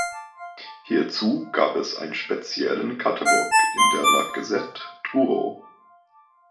Hierzu gab es einen speziellen Katalog in der La Gazette Drouot.